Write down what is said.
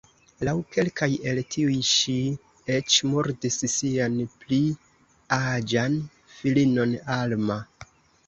Laŭ kelkaj el tiuj ŝi eĉ murdis sian pli aĝan filinon Alma.